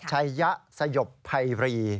ชัยยะสยบไพรี